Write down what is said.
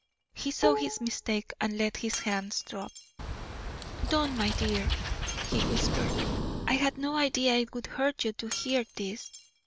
He saw his mistake, and let his hands drop. "Don't, my dear," he whispered. "I had no idea it would hurt you to hear this.